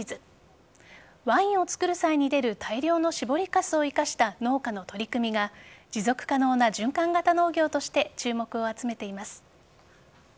ワインを作る際に出る大量の搾りかすを生かした農家の取り組みが持続可能な循環型農業として注目を集めています。